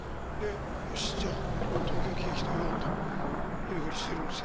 よしじゃあこれを東京喜劇と言おうというふうにしてるんですけどね。